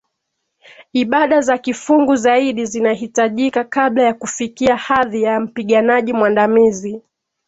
Ibada za kifungu zaidi zinahitajika kabla ya kufikia hadhi ya mpiganaji mwandamizi